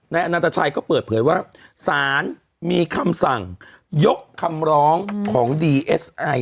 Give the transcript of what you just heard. อนันตชัยก็เปิดเผยว่าสารมีคำสั่งยกคำร้องของดีเอสไอ